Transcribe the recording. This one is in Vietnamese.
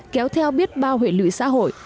kéo theo biết bao hệ lụy xã hội